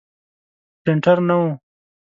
پرنټر نه و.